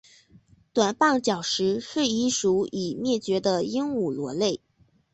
短棒角石是一属已灭绝的鹦鹉螺类。